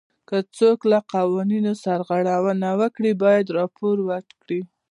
که څوک له قوانینو سرغړونه وکړي باید راپور ورکړي.